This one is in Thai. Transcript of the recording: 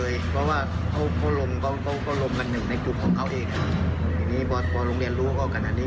อย่างนี้บอสปอล์โรงเรียนรู้ว่าการอันนี้